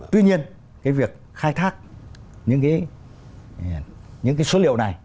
tuy nhiên cái việc khai thác những cái số liệu này